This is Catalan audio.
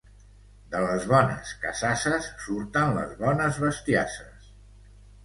De les bones casasses surten les bones bestiasses.